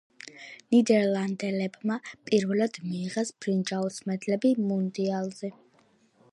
ნიდერლანდებმა პირველად მიიღეს ბრინჯაოს მედლები მუნდიალზე.